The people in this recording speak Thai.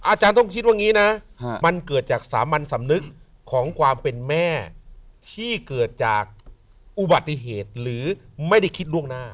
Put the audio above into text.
อาจารย์ต้องคิดว่าอย่างนี้นะมันเกิดจากสามัญสำนึกของความเป็นแม่ที่เกิดจากอุบัติเหตุหรือไม่ได้คิดล่วงหน้า